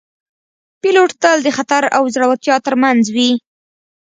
پیلوټ تل د خطر او زړورتیا ترمنځ وي